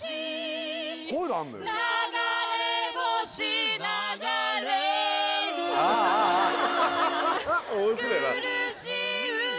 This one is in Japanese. こういうのあんのよああああ